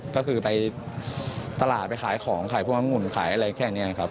ก็คือไปตลาดไปขายของขายพวกอังุ่นขายอะไรแค่นี้นะครับ